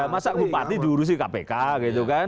masa bupati diurusi kpk gitu kan